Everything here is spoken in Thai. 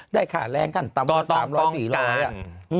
ได้ขาดแรงกันตามว่า๓๐๐๔๐๐อ่ะก็ต้องป้องกัน